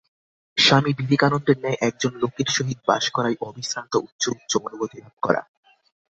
স্বামী বিবেকানন্দের ন্যায় একজন লোকের সহিত বাস করাই অবিশ্রান্ত উচ্চ উচ্চ অনুভূতি লাভ করা।